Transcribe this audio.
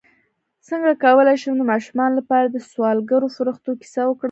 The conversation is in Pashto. څنګه کولی شم د ماشومانو لپاره د سوالګرو فرښتو کیسه وکړم